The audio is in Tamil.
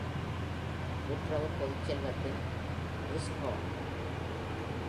கூட்டுறவுப் பொதுச்செல்வத்தின் எஸ்ஹார்ன்.